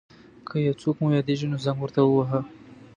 که یو څوک مو یاديږي نو زنګ ورته وواهه.